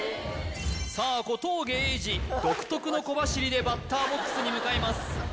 さあ小峠英二独特の小走りでバッターボックスに向かいます